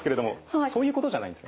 そういうことじゃないんですよね？